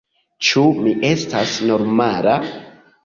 Ĉu mi estas normala?